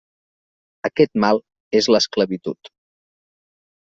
Aquest mal és l'esclavitud.